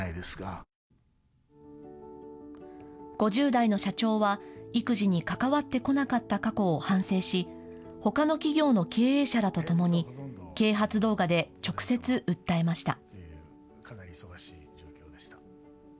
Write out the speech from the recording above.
５０代の社長は育児に関わってこなかった過去を反省しほかの企業の経営者らとともに啓発動画で直接、訴えました。